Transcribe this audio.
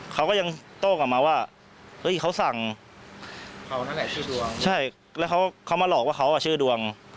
เขาก็ยังโต้กลับมาว่าเฮ้ยเขาสั่งเขานั่นแหละชื่อดวงใช่แล้วเขามาหลอกว่าเขาชื่อดวง